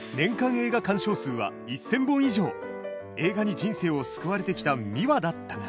映画に人生を救われてきたミワだったが。